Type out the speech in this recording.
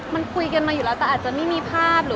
มันคุยกันมาอยู่แล้วแต่อาจจะไม่มีภาพหรือ